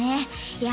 いや